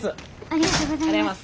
ありがとうございます。